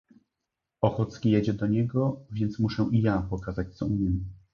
"Ochocki jedzie do niego, więc muszę i ja pokazać co umiem..."